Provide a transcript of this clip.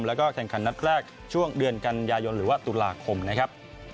แล้วก็แข่งขันนัดแรกช่วงเดือนกันยายนหรือว่าตุลาคมนะครับ